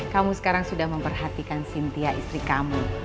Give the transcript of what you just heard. kamu sekarang sudah memperhatikan sintia istri kamu